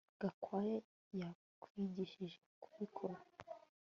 Gakwaya yakwigishije kubikora